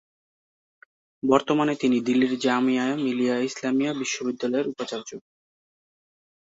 বর্তমানে তিনি দিল্লির জামিয়া মিলিয়া ইসলামিয়া বিশ্ববিদ্যালয়ের উপাচার্য।